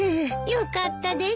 よかったです。